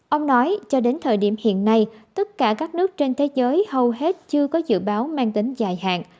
ông nói cho đến thời điểm hiện nay tất cả các nước trên thế giới hầu hết chưa có dự báo mang tính dài hạn